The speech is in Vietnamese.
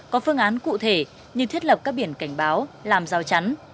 có phương án cụ thể như thiết lập các biển cảnh báo làm rào chắn